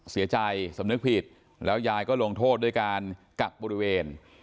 เสียใจสำนึกผิดแล้วยายก็ลงโทษด้วยการกักบริเวณ